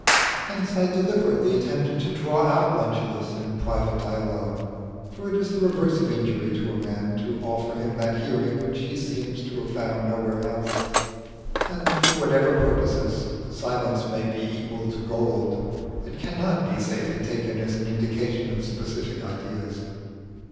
Hence I deliberately attempted to draw out Lentulus in private dialogue, for it is the reverse of injury to a man to offer him that hearing which he seems to have found nowhere else. And for whatever purposes silence may be equal to gold, it cannot be safely taken as an indication of specific ideas.